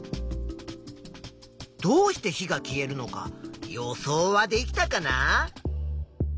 どうして火が消えるのか予想はできたかな？